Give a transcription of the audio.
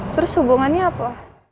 terus hubungannya apa